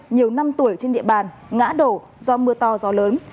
nhiều năm tuổi trên địa bàn ngã đổ do mưa to gió lớn